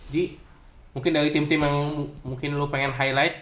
ji mungkin dari tim tim yang mungkin lu pengen highlight